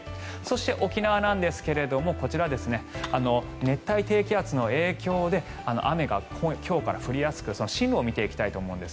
そして沖縄ですが、こちらは熱帯低気圧の影響で雨が今日から降りやすく進路を見ていきたいと思うんです。